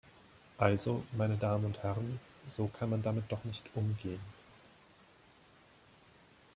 Also, meine Damen und Herren, so kann man damit doch nicht umgehen!